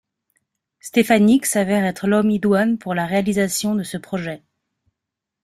Štefánik s'avère être l'homme idoine pour la réalisation de ce projet.